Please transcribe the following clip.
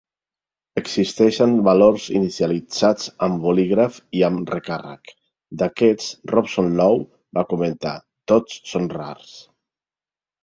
Existeixen valors inicialitzats amb bolígraf i amb recàrrec; d'aquests Robson Lowe va comentar, Tots són rars.